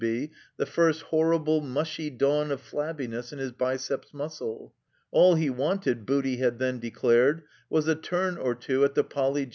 be the first horrible, mushy dawn of Flabbiness in his biceps muscle. All he wanted, Booty had then declared, was a ttim or two at the Poly.